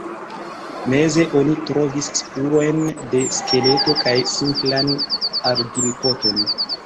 Meze oni trovis spurojn de skeleto kaj simplan argilpoton.